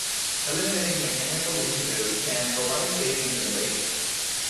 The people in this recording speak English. Eliminating mechanical linkages can provide savings in weight.